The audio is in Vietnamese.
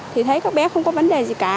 thì thấy các bé không có vấn đề gì cả